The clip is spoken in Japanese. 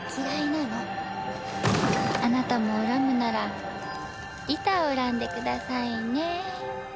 あなたも恨むならリタを恨んでくださいね。